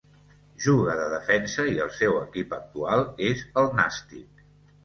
Juga de defensa i el seu equip actual és el Nàstic.